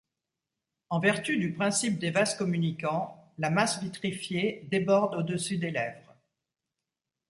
En vertu du principe des vases communicants, la masse vitrifiée déborde au-dessus des lèvres.